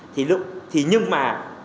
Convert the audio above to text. thì lúc thì nhưng mà